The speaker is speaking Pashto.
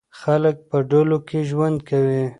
خلک په ډلو کې ژوند کوي.